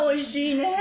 ねえ？